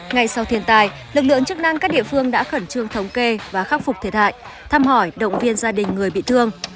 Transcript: ngay sau thiên tai lực lượng chức năng các địa phương đã khẩn trương thống kê và khắc phục thiệt hại thăm hỏi động viên gia đình người bị thương